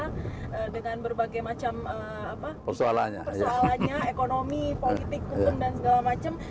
karena dengan berbagai macam persoalannya ekonomi politik hukum dan segala macam